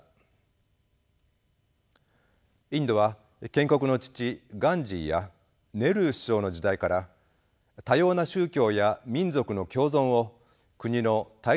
インドは建国の父ガンジーやネルー首相の時代から多様な宗教や民族の共存を国の大切な精神としてきました。